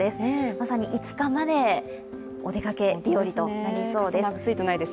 まさに５日まで、お出かけ日和となりそうです。